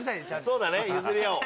そうだね譲り合おう。